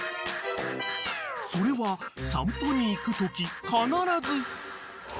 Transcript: ［それは散歩に行くとき必ず］